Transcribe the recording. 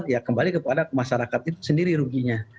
ya kembali kepada masyarakat itu sendiri ruginya